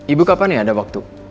ibu kapan nih ada waktu